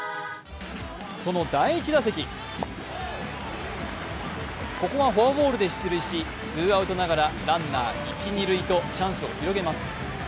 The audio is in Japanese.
その第１打席、ここはフォアボールで出塁し、ランナー一・二塁とチャンスを広げます。